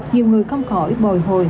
nhiều người không khỏi bồi hồi